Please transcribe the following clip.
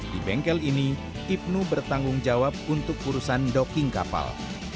di bengkel ini ibnu bertanggung jawab untuk urusan docking kapal